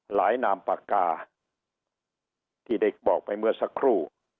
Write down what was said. นามปากกาที่เด็กบอกไปเมื่อสักครู่